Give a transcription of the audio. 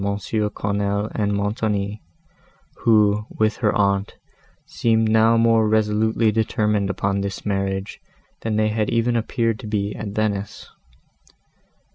Quesnel and Montoni, who, with her aunt, seemed now more resolutely determined upon this marriage than they had even appeared to be at Venice.